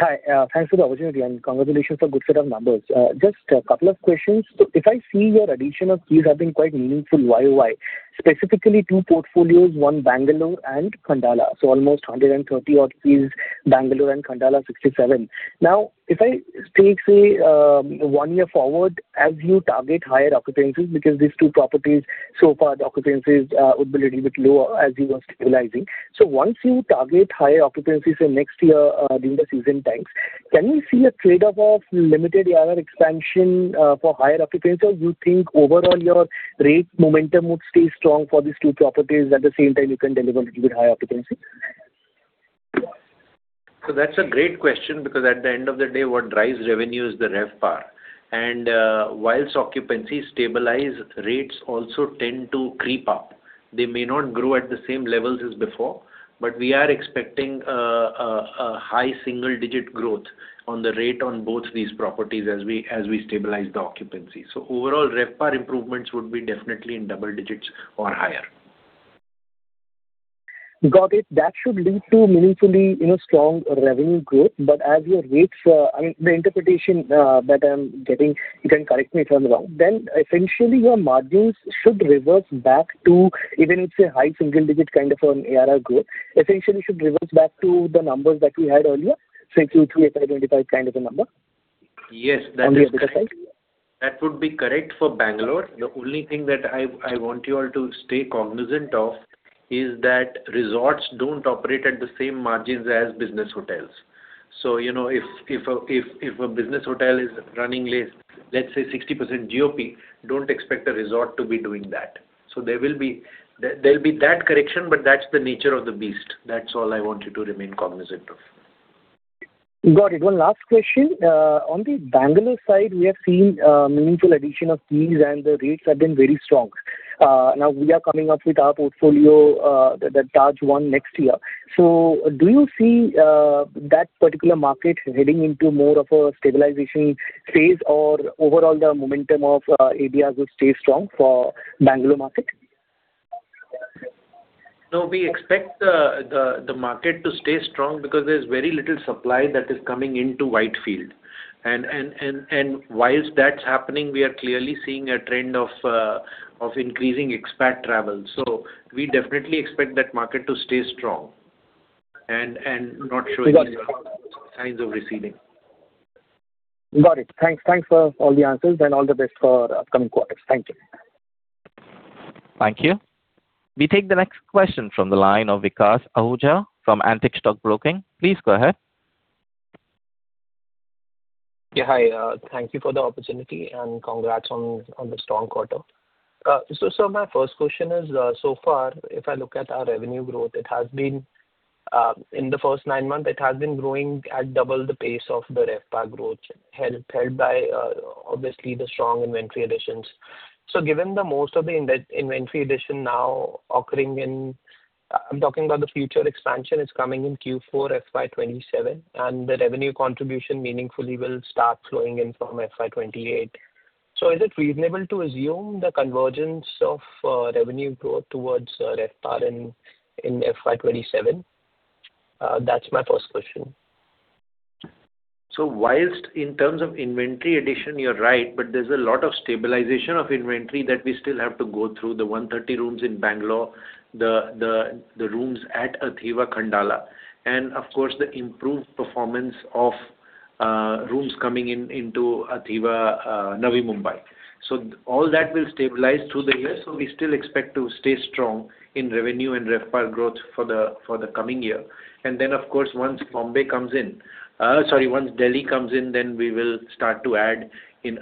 Hi, thanks for the opportunity and congratulations for good set of numbers. Just a couple of questions. So if I see your addition of keys have been quite meaningful YoY, specifically two portfolios, one Bangalore and Khandala. So almost 130 odd keys, Bangalore and Khandala, 67. Now, if I take, say, one year forward as you target higher occupancies, because these two properties so far the occupancies would be a little bit lower as you are stabilizing. So once you target higher occupancies in next year, during the season times, can we see a trade-off of limited ARR expansion for higher occupancies, or you think overall your rate momentum would stay strong for these two properties, at the same time you can deliver a little bit higher occupancy? So that's a great question, because at the end of the day, what drives revenue is the RevPAR. While occupancy stabilize, rates also tend to creep up. They may not grow at the same levels as before, but we are expecting a high single-digit growth on the rate on both these properties as we stabilize the occupancy. So overall, RevPAR improvements would be definitely in double digits or higher. Got it. That should lead to meaningfully, you know, strong revenue growth. But as your rates, I mean, the interpretation that I'm getting, you can correct me if I'm wrong, then essentially your margins should reverse back to, even if say, high single digit kind of an ARR growth, essentially should reverse back to the numbers that we had earlier, say, Q3 FY 2025 kind of a number? Yes, that is- On the business side. That would be correct for Bangalore. The only thing that I want you all to stay cognizant of is that resorts don't operate at the same margins as business hotels. So, you know, if a business hotel is running, let's say 60% GOP, don't expect a resort to be doing that. So there will be that correction, but that's the nature of the beast. That's all I want you to remain cognizant of. Got it. One last question. On the Bangalore side, we have seen meaningful addition of keys, and the rates have been very strong. Now we are coming up with our portfolio, the Taj one next year. So do you see that particular market heading into more of a stabilization phase, or overall the momentum of ADR will stay strong for Bangalore market? No, we expect the market to stay strong because there's very little supply that is coming into Whitefield. And while that's happening, we are clearly seeing a trend of increasing expat travel. So we definitely expect that market to stay strong and not showing- Got it. signs of receding. Got it. Thanks, thanks for all the answers, and all the best for upcoming quarters. Thank you. Thank you. We take the next question from the line of Vikas Ahuja from Antique Stock Broking. Please go ahead. Yeah, hi, thank you for the opportunity, and congrats on the strong quarter. So my first question is, so far, if I look at our revenue growth, it has been in the first nine months, it has been growing at double the pace of the RevPAR growth, helped by obviously, the strong inventory additions. So given the most of the inventory addition now occurring in. I'm talking about the future expansion, it's coming in Q4 FY 2027, and the revenue contribution meaningfully will start flowing in from FY 2028. So is it reasonable to assume the convergence of revenue grow towards RevPAR in FY 2027? That's my first question. So whilst in terms of inventory addition, you're right, but there's a lot of stabilization of inventory that we still have to go through, the 130 rooms in Bangalore, the rooms at Athiva, Khandala, and of course, the improved performance of rooms coming in into Athiva, Navi Mumbai. So all that will stabilize through the year, so we still expect to stay strong in revenue and RevPAR growth for the coming year. And then, of course, once Bombay comes in, sorry, once Delhi comes in, then we will start to add in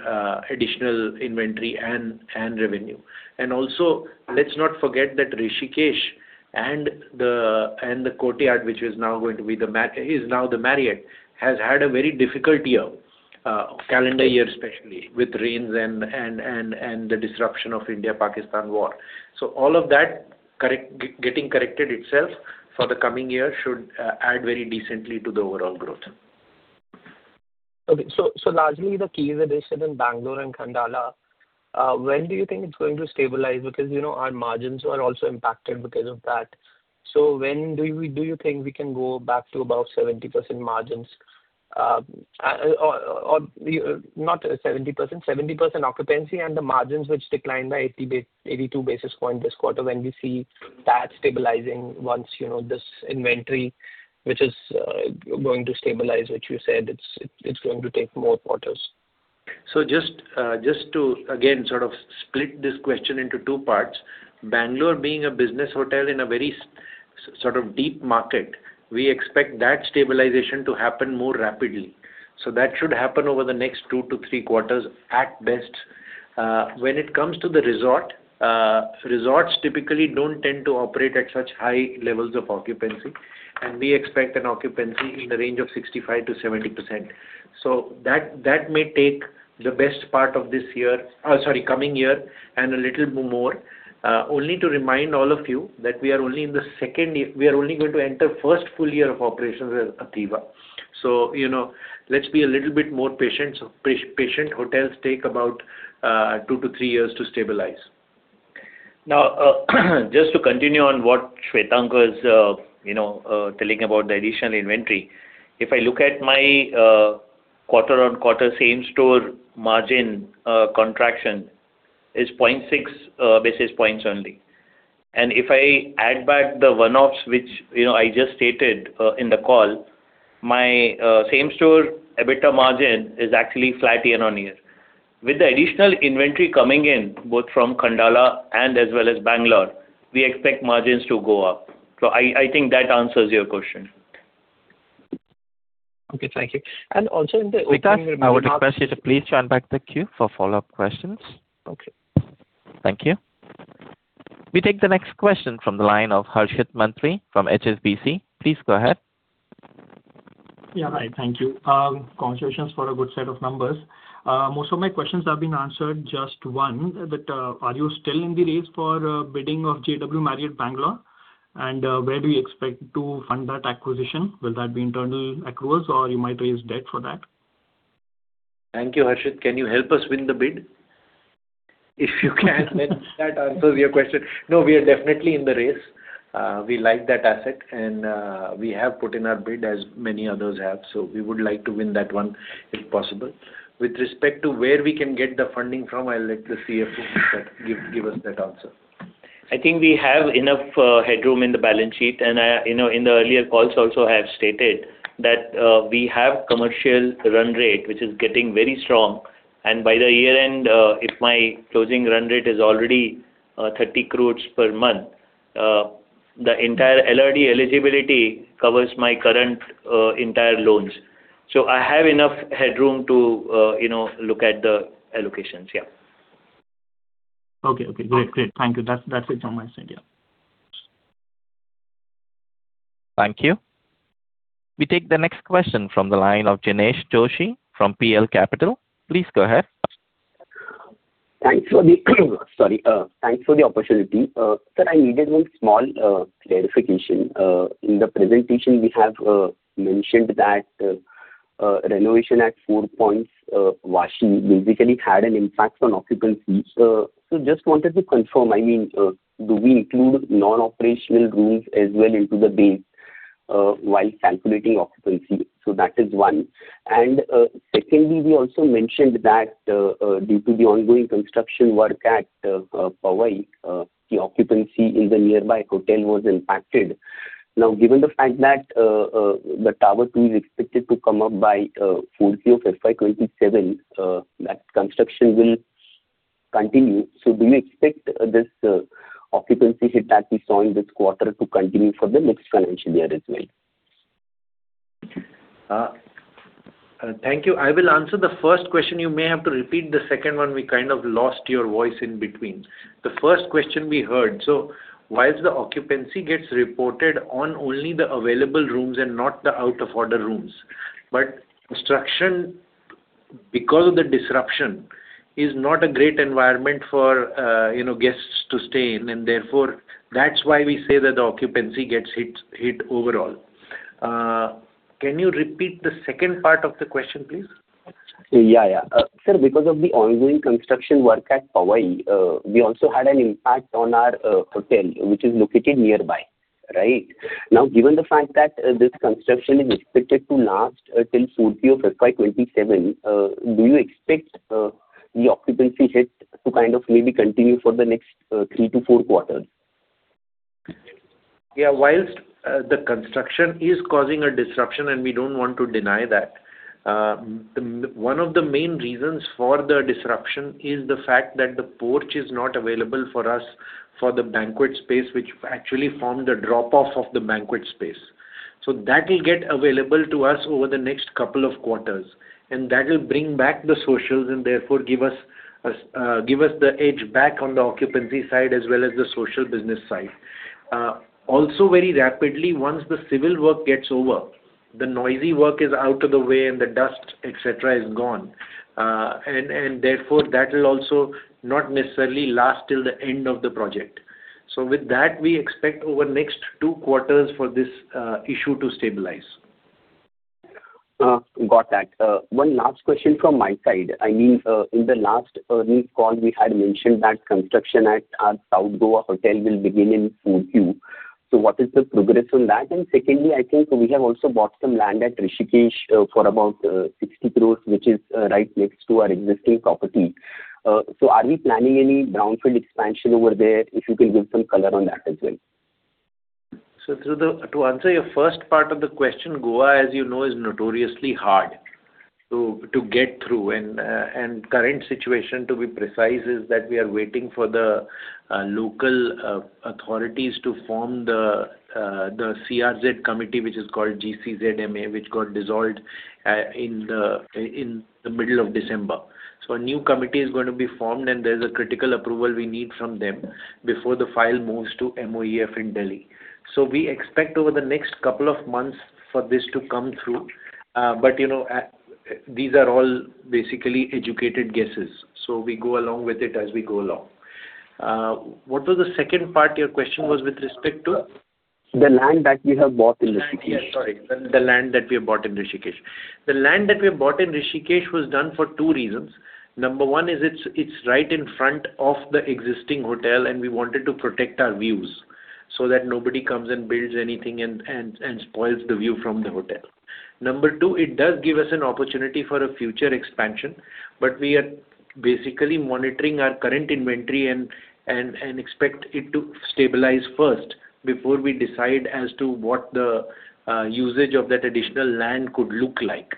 additional inventory and revenue. And also, let's not forget that Rishikesh and the Courtyard, which is now the Marriott, has had a very difficult year, calendar year, especially with rains and the disruption of India-Pakistan war. So all of that getting corrected itself for the coming year should add very decently to the overall growth. Okay. So largely the keys addition in Bangalore and Khandala, when do you think it's going to stabilize? Because, you know, our margins are also impacted because of that. So when do you think we can go back to about 70% margins, or not 70%, 70% occupancy and the margins which declined by 82 basis points this quarter, when we see that stabilizing once, you know, this inventory, which is going to stabilize, which you said it's going to take more quarters? So just, just to, again, sort of split this question into two parts. Bangalore being a business hotel in a very sort of deep market, we expect that stabilization to happen more rapidly. So that should happen over the next two to three quarters at best. When it comes to the resort, resorts typically don't tend to operate at such high levels of occupancy, and we expect an occupancy in the range of 65%-70%. So that, that may take the best part of this year, sorry, coming year and a little bit more. Only to remind all of you that we are only in the second year- we are only going to enter first full year of operations with Athiva. So, you know, let's be a little bit more patient. New hotels take about two to three years to stabilize. Now, just to continue on what Shwetank was, you know, telling about the additional inventory. If I look at my quarter-over-quarter same-store margin contraction, is 0.6 basis points only. And if I add back the one-offs, which, you know, I just stated in the call, my same-store EBITDA margin is actually flat year-on-year. With the additional inventory coming in, both from Khandala and as well as Bangalore, we expect margins to go up. So I think that answers your question. Okay, thank you. Also in the opening- Vikas, I would request you to please join back the queue for follow-up questions. Okay. Thank you. We take the next question from the line of Harshit Mantri from HSBC. Please go ahead. Yeah, hi. Thank you. Congratulations for a good set of numbers. Most of my questions have been answered, just one: are you still in the race for bidding of JW Marriott Bengaluru? And, where do you expect to fund that acquisition? Will that be internal accruals or you might raise debt for that? Thank you, Harshit. Can you help us win the bid? If you can, then that answers your question. No, we are definitely in the race. We like that asset, and we have put in our bid as many others have, so we would like to win that one, if possible. With respect to where we can get the funding from, I'll let the CFO give us that answer. I think we have enough headroom in the balance sheet, and I, you know, in the earlier calls also have stated that, we have commercial run rate, which is getting very strong. And by the year-end, if my closing run rate is already, 30 crores per month, the entire LRD eligibility covers my current, entire loans. So I have enough headroom to, you know, look at the allocations. Yeah. Okay. Okay, great. Great. Thank you. That's, that's it from my side. Yeah. Thank you. We take the next question from the line of Jinesh Joshi from PL Capital. Please go ahead. Thanks for the, sorry. Thanks for the opportunity. Sir, I needed one small clarification. In the presentation, we have mentioned that renovation at Four Points Vashi basically had an impact on occupancy. So just wanted to confirm, I mean, do we include non-operational rooms as well into the base while calculating occupancy? So that is one. And secondly, we also mentioned that due to the ongoing construction work at Powai, the occupancy in the nearby hotel was impacted. Now, given the fact that the Tower Two is expected to come up by fourth year of FY 2027, that construction will continue. So do you expect this occupancy hit that we saw in this quarter to continue for the next financial year as well? Thank you. I will answer the first question. You may have to repeat the second one. We kind of lost your voice in between. The first question we heard: so whilst the occupancy gets reported on only the available rooms and not the out-of-order rooms, but construction, because of the disruption, is not a great environment for, you know, guests to stay in, and therefore, that's why we say that the occupancy gets hit overall. Can you repeat the second part of the question, please? Yeah, yeah. Sir, because of the ongoing construction work at Powai, we also had an impact on our hotel, which is located nearby. Right? Now, given the fact that this construction is expected to last till fourth year of FY 2027, do you expect the occupancy hit to kind of maybe continue for the next three to four quarters Yeah, while the construction is causing a disruption, and we don't want to deny that, one of the main reasons for the disruption is the fact that the porch is not available for us for the banquet space, which actually formed a drop-off of the banquet space. So that will get available to us over the next couple of quarters, and that will bring back the socials and therefore give us, give us the edge back on the occupancy side as well as the social business side. Also, very rapidly, once the civil work gets over, the noisy work is out of the way and the dust, et cetera, is gone. And therefore, that will also not necessarily last till the end of the project. So with that, we expect over the next two quarters for this issue to stabilize. Got that. One last question from my side. I mean, in the last earnings call, we had mentioned that construction at our South Goa hotel will begin in 2Q. So what is the progress on that? And secondly, I think we have also bought some land at Rishikesh for about 60 crore, which is right next to our existing property. So are we planning any brownfield expansion over there? If you can give some color on that as well. To answer your first part of the question, Goa, as you know, is notoriously hard to get through. And, and current situation, to be precise, is that we are waiting for the local authorities to form the CRZ committee, which is called GCZMA, which got dissolved in the middle of December. So a new committee is going to be formed, and there's a critical approval we need from them before the file moves to MOEF in Delhi. So we expect over the next couple of months for this to come through. But, you know, these are all basically educated guesses, so we go along with it as we go along. What was the second part your question was with respect to? The land that we have bought in Rishikesh? Yes, sorry, the land that we have bought in Rishikesh. The land that we have bought in Rishikesh was done for two reasons. Number one is, it's right in front of the existing hotel, and we wanted to protect our views, so that nobody comes and builds anything and spoils the view from the hotel. Number two, it does give us an opportunity for a future expansion, but we are basically monitoring our current inventory and expect it to stabilize first, before we decide as to what the usage of that additional land could look like.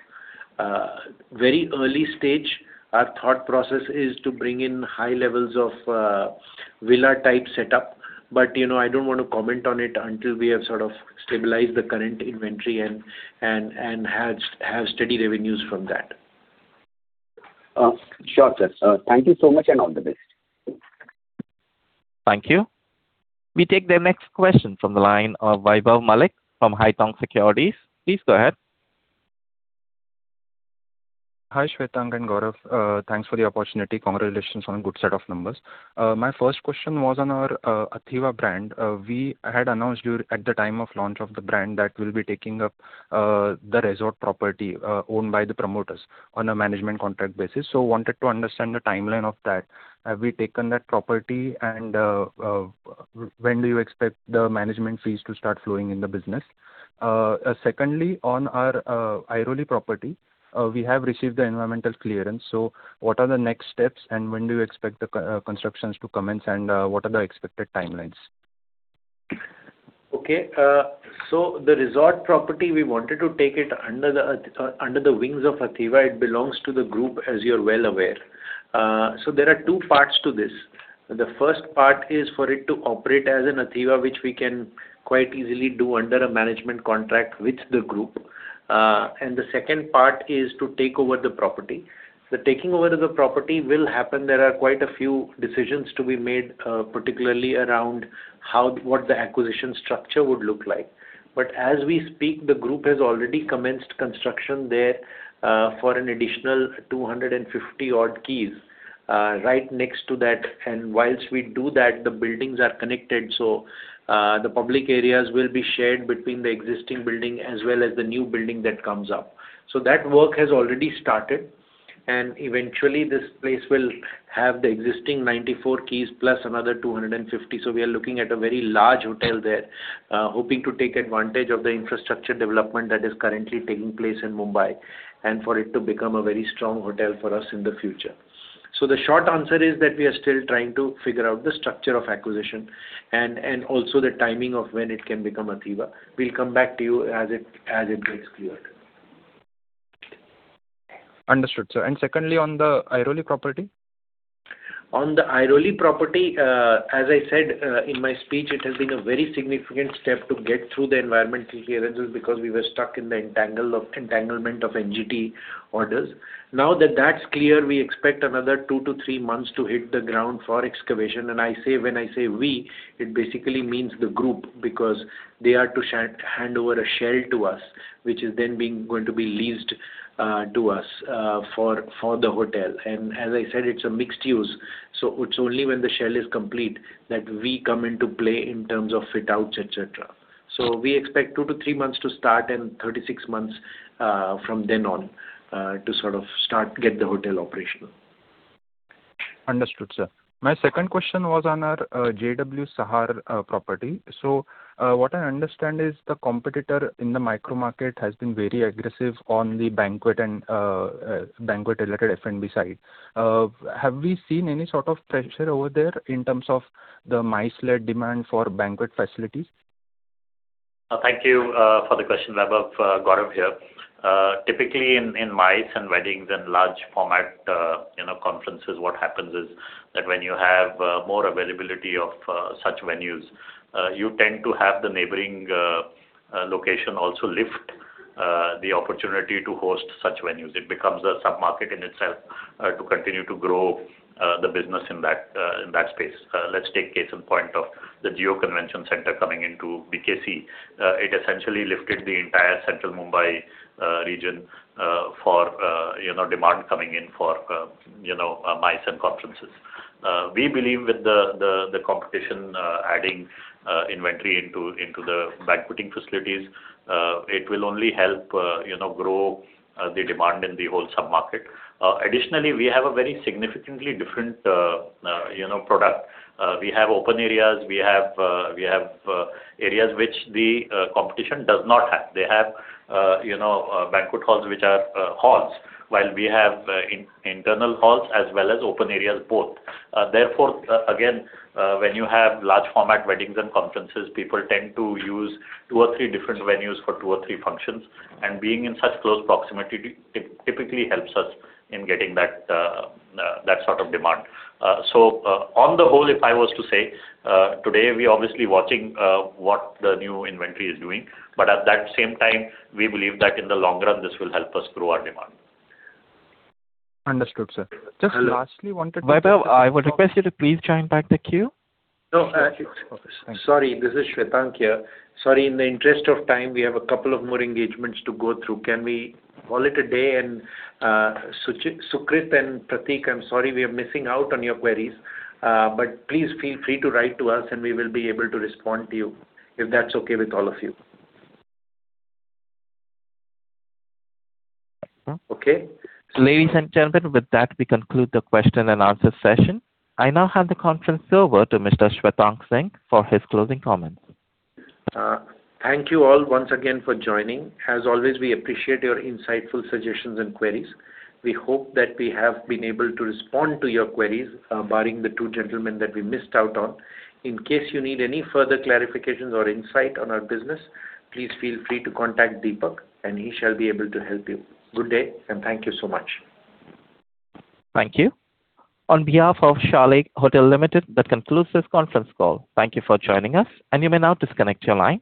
Very early stage, our thought process is to bring in high levels of villa-type setup, but, you know, I don't want to comment on it until we have sort of stabilized the current inventory and have steady revenues from that. Sure, sir. Thank you so much, and all the best. Thank you. We take the next question from the line of Vaibhav Malik from Haitong Securities. Please go ahead. Hi, Shwetank and Gaurav, thanks for the opportunity. Congratulations on a good set of numbers. My first question was on our Athiva brand. We had announced at the time of launch of the brand that we'll be taking up the resort property owned by the promoters on a management contract basis. So wanted to understand the timeline of that. Have we taken that property? And when do you expect the management fees to start flowing in the business? Secondly, on our Airoli property, we have received the environmental clearance, so what are the next steps, and when do you expect the construction to commence, and what are the expected timelines? Okay, so the resort property, we wanted to take it under the wings of Athiva. It belongs to the group, as you're well aware. So there are two parts to this. The first part is for it to operate as an Athiva, which we can quite easily do under a management contract with the group. And the second part is to take over the property. The taking over of the property will happen. There are quite a few decisions to be made, particularly around how would the acquisition structure would look like. But as we speak, the group has already commenced construction there, for an additional 250-odd keys, right next to that. And while we do that, the buildings are connected, so, the public areas will be shared between the existing building as well as the new building that comes up. So that work has already started, and eventually this place will have the existing 94 keys, plus another 250. So we are looking at a very large hotel there, hoping to take advantage of the infrastructure development that is currently taking place in Mumbai, and for it to become a very strong hotel for us in the future. So the short answer is that we are still trying to figure out the structure of acquisition and, and also the timing of when it can become Athiva. We'll come back to you as it, as it gets clearer. Understood, sir. And secondly, on the Airoli property? On the Airoli property, as I said, in my speech, it has been a very significant step to get through the environmental clearances because we were stuck in the entanglement of NGT orders. Now that that's clear, we expect another two to three months to hit the ground for excavation. And I say, when I say "we", it basically means the group, because they are to hand over a shell to us, which is then going to be leased to us for the hotel. And as I said, it's a mixed use, so it's only when the shell is complete that we come into play in terms of fit-outs, et cetera. So we expect two to three months to start and 36 months from then on to sort of start to get the hotel operational. Understood, sir. My second question was on our JW Sahar property. So, what I understand is the competitor in the micro market has been very aggressive on the banquet and banquet-related F&B side. Have we seen any sort of pressure over there in terms of the MICE-led demand for banquet facilities? Thank you for the question, Vaibhav. Gaurav here. Typically in MICE and weddings and large format, you know, conferences, what happens is that when you have more availability of such venues, you tend to have the neighboring location also lift the opportunity to host such venues. It becomes a submarket in itself to continue to grow the business in that space. Let's take case in point of the Jio Convention Centre coming into BKC. It essentially lifted the entire central Mumbai region for you know, MICE and conferences. We believe with the competition adding inventory into the banqueting facilities, it will only help, you know, grow the demand in the whole submarket. Additionally, we have a very significantly different, you know, product. We have open areas, we have areas which the competition does not have. They have, you know, banquet halls, which are halls, while we have internal halls as well as open areas both. Therefore, again, when you have large format weddings and conferences, people tend to use two or three different venues for two or three functions, and being in such close proximity typically helps us in getting that sort of demand. On the whole, if I was to say, today we're obviously watching what the new inventory is doing, but at that same time, we believe that in the long run, this will help us grow our demand. Understood, sir. Just lastly wanted to- Vaibhav, I would request you to please join back the queue. No, sorry, this is Shwetank here. Sorry, in the interest of time, we have a couple of more engagements to go through. Can we call it a day? And, Suchi- Sukrit and Prateek, I'm sorry we are missing out on your queries, but please feel free to write to us, and we will be able to respond to you, if that's okay with all of you. Okay. Ladies and gentlemen, with that, we conclude the question and answer session. I now hand the conference over to Mr. Shwetank Singh for his closing comments. Thank you all once again for joining. As always, we appreciate your insightful suggestions and queries. We hope that we have been able to respond to your queries, barring the two gentlemen that we missed out on. In case you need any further clarifications or insight on our business, please feel free to contact Deepak, and he shall be able to help you. Good day, and thank you so much. Thank you. On behalf of Chalet Hotels Limited, that concludes this conference call. Thank you for joining us, and you may now disconnect your line.